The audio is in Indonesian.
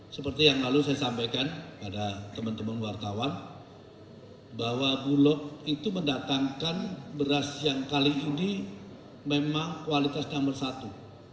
seperti yang lalu saya sampaikan pada teman teman wartawan bahwa bulog itu mendatangkan beras yang kali ini memang kualitas nomor satu